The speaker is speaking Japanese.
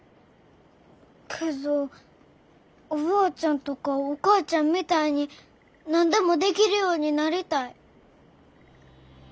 けどおばあちゃんとかお母ちゃんみたいに何でもできるようになりたい。